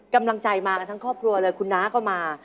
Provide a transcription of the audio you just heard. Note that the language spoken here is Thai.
กำลังใจมากันทั้งครอบครัวเลยคุณน้าก็มา